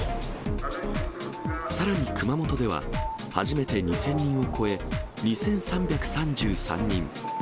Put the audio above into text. さらに熊本では初めて２０００人を超え、２３３３人。